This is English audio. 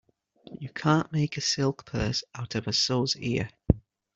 You can't make a silk purse out of a sow's ear.